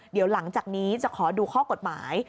เดี๋ยวหลังจากนี้จะขอดูข้อกฎหมาย